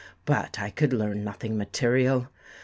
But I could learn nothing material.